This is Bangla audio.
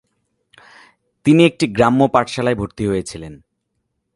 তিনি একটি গ্রাম্য পাঠশালায় ভর্তি হয়েছিলেন।